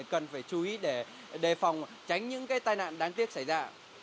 cần phải chú ý để đề phòng tránh những tai nạn đáng tiếc xảy ra